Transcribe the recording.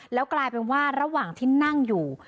แล้วกลายเป็นว่าระหว่างที่นั่งอยู่